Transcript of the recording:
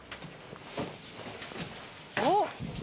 「おっ！」